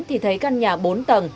thì thấy căn nhà bốn tầng